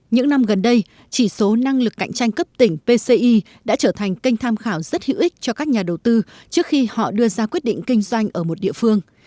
những năm gần đây chỉ số năng lực cạnh tranh cấp tỉnh pci đã trở thành kênh tham khảo rất hữu ích cho các nhà đầu tư trước khi họ đưa ra quyết định kinh doanh ở một địa phương